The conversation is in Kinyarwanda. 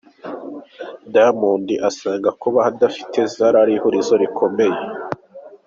Diamond asanga kubaho adafite Zari ari ihurizo rikomeye.